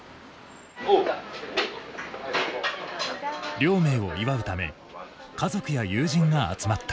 亮明を祝うため家族や友人が集まった。